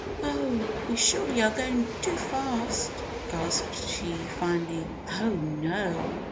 "Oh! we surely are going too fast!" gasped she, finally. "Oh, no!